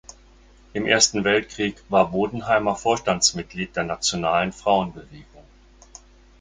Im Ersten Weltkrieg war Bodenheimer Vorstandsmitglied der "Nationalen Frauenbewegung".